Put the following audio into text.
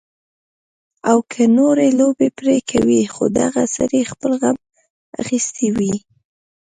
او کۀ نورې لوبې پرې کوي خو دغه سړے خپل غم اخستے وي